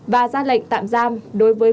và ra lệnh tạm giam đối với